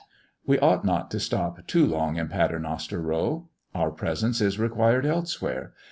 We ought not to stop too long in Paternoster row. Our presence is required elsewhere.